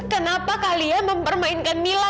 kenapa kalian mempermainkan mila